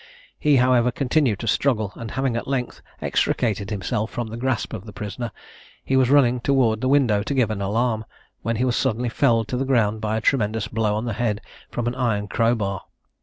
He, however, continued to struggle; and having at length, extricated himself from the grasp of the prisoner, he was running towards the window to give an alarm, when he was suddenly felled to the ground by a tremendous blow on the head from an iron crowbar.